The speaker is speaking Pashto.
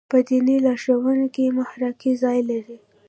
په دیني لارښوونو کې محراقي ځای لري.